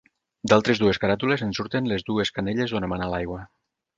D'altres dues caràtules en surten les dues canelles d'on emana l'aigua.